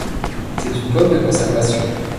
C'est une pomme de conservation.